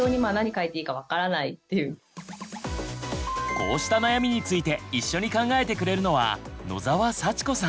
こうした悩みについて一緒に考えてくれるのは野澤祥子さん。